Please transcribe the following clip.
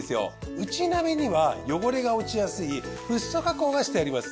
内鍋には汚れが落ちやすいフッ素加工がしてあります。